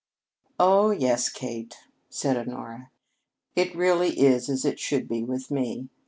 "Oh, yes, Kate," said Honora. "It really is as it should be with me.